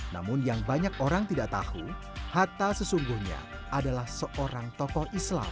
namun yang banyak orang tidak tahu hatta sesungguhnya adalah seorang tokoh islam